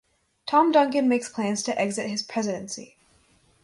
Tom Duncan makes plans to exit his presidency.